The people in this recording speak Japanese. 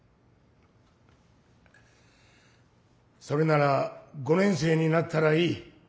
それなら５年生になったらいい。